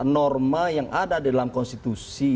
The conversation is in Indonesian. norma yang ada di dalam konstitusi